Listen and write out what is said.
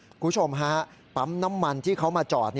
คุณผู้ชมฮะปั๊มน้ำมันที่เขามาจอด